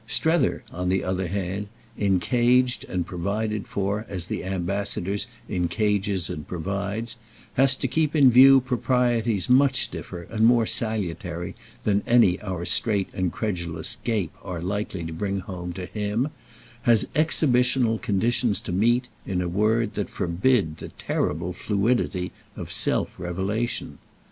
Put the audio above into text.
Strether, on the other hand, encaged and provided for as "The Ambassadors" encages and provides, has to keep in view proprieties much stiffer and more salutary than any our straight and credulous gape are likely to bring home to him, has exhibitional conditions to meet, in a word, that forbid the terrible fluidity of self revelation.